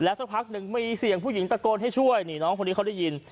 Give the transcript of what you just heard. สักพักหนึ่งมีเสียงผู้หญิงตะโกนให้ช่วยนี่น้องคนนี้เขาได้ยิน